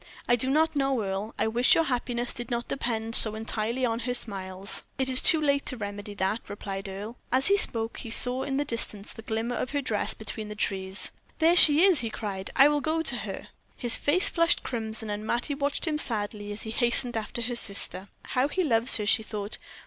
"I do not know, Earle. I wish your happiness did not depend so entirely on her smiles." "It is too late to remedy that," replied Earle. As he spoke he saw in the distance the glimmer of her dress between the trees. "There she is!" he cried. "I will go to her." His face flushed crimson, and Mattie watched him sadly as he hastened after her sister. "How he loves her!" she thought.